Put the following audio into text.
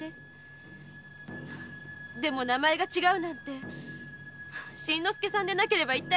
でも名前が違うなんて新之助さんでなければ一体？